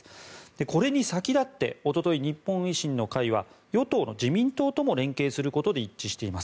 これに先立って、おととい日本維新の会は与党の自民党とも連携することで一致しています。